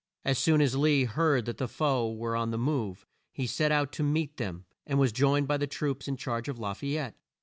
As soon as Lee heard that the foe were on the move, he set out to meet them, and was joined by the troops in charge of La fay ette.